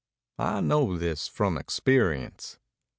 I know this from experience.